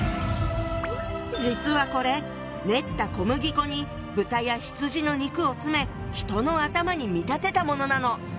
実はこれ練った小麦粉に豚や羊の肉を詰め人の頭に見立てたものなの！